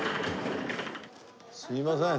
すみません。